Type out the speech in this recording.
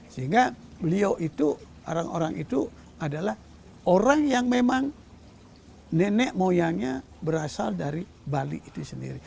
sehingga beliau itu orang orang itu adalah orang yang memang nenek moyangnya berasal dari bali itu sendiri